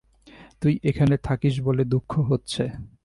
তুই এখানে থাকিস বলে দুঃখ হচ্ছে।